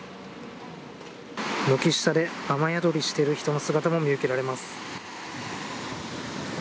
軒下で雨宿りしてる人の姿も見受けられます。